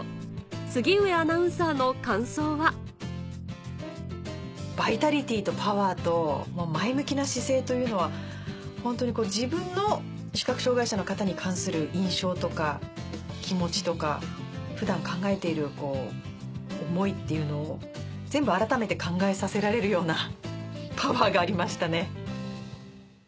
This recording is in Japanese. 杉上アナウンサーの感想はバイタリティーとパワーと前向きな姿勢というのは自分の視覚障がい者の方に関する印象とか気持ちとか普段考えている思いっていうのを全部改めて考えさせられるようなパワーがありましたね。